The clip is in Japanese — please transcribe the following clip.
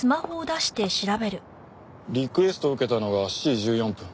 リクエストを受けたのが７時１４分。